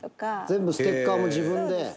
「全部ステッカーも自分で」